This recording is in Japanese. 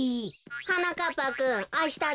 はなかっぱくんあした